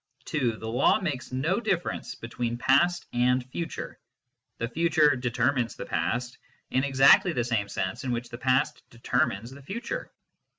(2) The law makes no difference between past and future : the future " determines " the past in exactly the same sense in which the past " determines " the future.